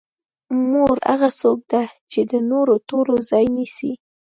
مور هغه څوک ده چې د نورو ټولو ځای نیسي.